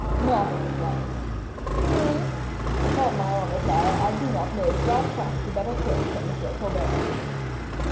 "Not in the slightest." "Really?" "Upon my honor, sire, I do not know throughout France a better clerk than M. Colbert."